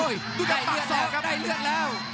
ดูได้เรื่องแล้วได้เรื่องแล้ว